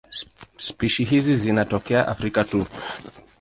Spishi hizi zinatokea Afrika tu.